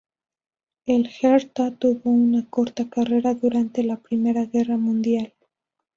El "Hertha" tuvo una corta carrera durante la Primera Guerra Mundial.